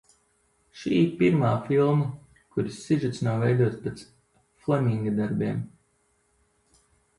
Šī ir pirmā filma, kuras sižets nav veidots pēc Iana Fleminga darbiem.